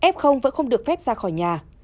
f vẫn không được phép ra khỏi nhà